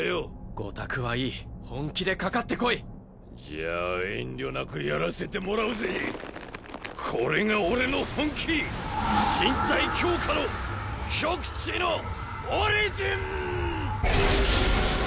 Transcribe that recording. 御託はいい本気でかかってこいじゃあ遠慮なくやらせてもらうぜこれが俺の本気身体強化の極地のオリジン！